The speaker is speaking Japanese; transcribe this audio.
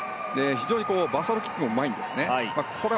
非常にバサロキックもうまいんですね。